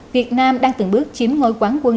việt nam đang từng bước chiếm ngôi quán quân